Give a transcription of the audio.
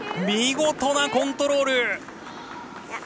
見事なコントロール！